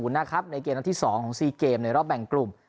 ในเกมนัดที่๒ของ๔เกมในรอบแบ่งกลุ่ม